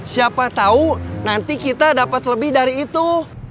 siapa tahu nanti kita dapat lebih dari itu